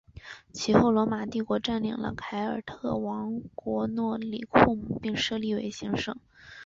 其后罗马帝国占领了凯尔特王国诺里库姆并设立为行省。